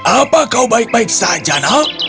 apa kau baik baik saja nak